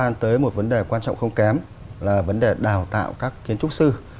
theo tôi thì vấn đề này lại liên quan tới một vấn đề quan trọng không kém là vấn đề đào tạo các kiến trúc sư